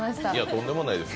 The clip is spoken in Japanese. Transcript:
とんでもないです。